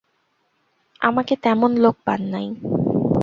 আমাকে তেমন লোক পান নাই।